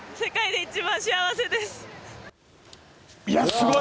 すごい！